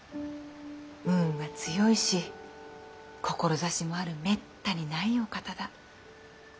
運は強いし志もあるめったにないお方だ。